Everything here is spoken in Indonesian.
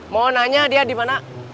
mau nanya dia di mana